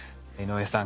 井上さん